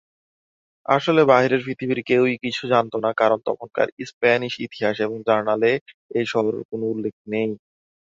আসলে বাহিরের পৃথিবীর কেউই কিছু জানত না, কারণ তখনকার স্প্যানিশ ইতিহাস এবং জার্নালে এই শহরের কোনও উল্লেখ নেই।